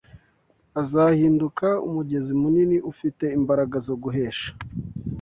azahinduka umugezi munini ufite imbaraga zo guhesha